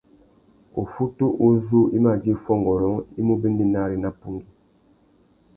Uffutu uzú i mà djï fuongôrông i mú béndénari nà pungüi.